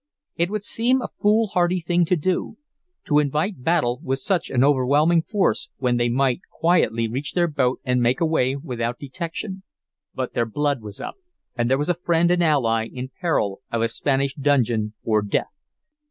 It would seem a foolhardy thing to do to invite battle with such an overwhelming force, when they might quietly reach their boat and make away without detection. But their blood was up, and there was a friend and ally in peril of a Spanish dungeon or death.